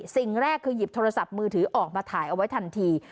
สิ่งแรกคือหยิบโทรศัพท์มือถือออกมาถ่ายเอาไว้ทันที